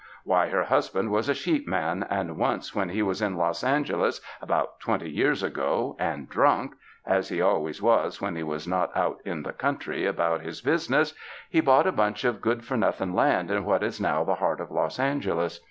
Why, her husband was a sheepman and once when he was in Los Angeles about twenty years ago, and drunk, as he always was when he was not out in the country about his business, he bought a bunch of good for nothin' land in what is now the heart of Los Angeles.